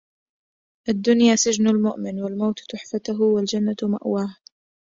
الدّنيا سجن المؤمن، والموت تحفته، والجنّة مأواه.